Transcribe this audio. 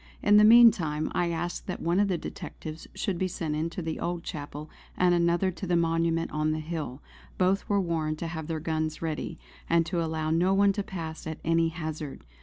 In the meantime I asked that one of the detectives should be sent into the old chapel and another to the monument on the hill. Both were warned to have their guns ready, and to allow no one to pass at any hazard.